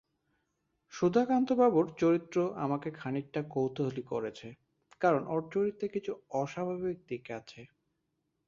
সুধাকান্তবাবুর চরিত্র আমাকে খানিকটা কৌতূহলী করেছে, কারণ ওর চরিত্রে কিছু অস্বাভাবিক দিক আছে।